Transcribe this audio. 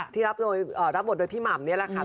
ที่รับบทโดยพี่หม่ำนี่แหละค่ะ